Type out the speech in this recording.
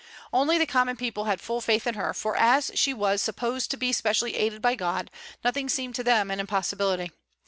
Only the common people had full faith in her, for as she was supposed to be specially aided by God, nothing seemed to them an impossibility.